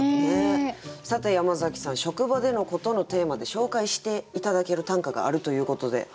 さて山崎さん「職場でのこと」のテーマで紹介して頂ける短歌があるということで。